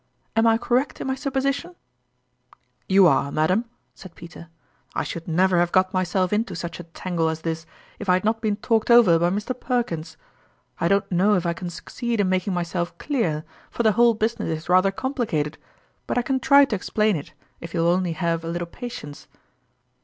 Am I correct in my supposition ?"" You are, madam," said Peter. " I should never have got myself into such a tangle as this, if I had not been talked over by Mr. Perkins. I don't know if I can succeed in making myself clear, for the whole business is rather complicated ; but I can try to ex plain it, if you will only have a little pa tience."